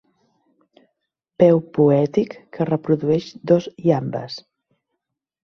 Peu poètic que reprodueix dos iambes.